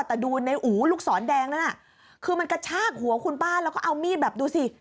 แต่ดูในอู๋ลูกศรแดงนั่นน่ะคือมันกระชากหัวคุณป้าแล้วก็เอามีดแบบดูสิ